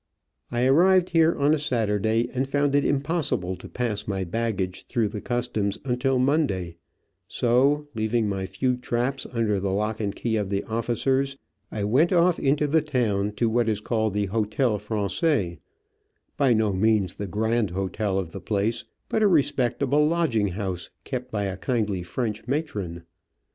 I arrived here on a Saturday, and found it impossible to pass my baggage through the Customs until Monday ; so, leaving my few traps under the lock and key of the officers, I went off into the town to what is called the Hotel Fran^ais, by no means the Grand Hotel of the place, but a respectable lodging house, kept by a kindly French matron.